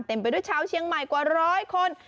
ไปด้วยชาวเชียงใหม่กว่าร้อยคน